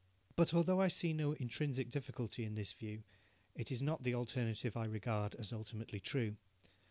But although I see no intrinsic difficulty in this view, it is not the alternative I regard as ultimately true.